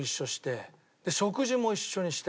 食事も一緒にして。